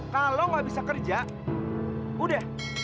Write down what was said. kalau nggak bisa kerja udah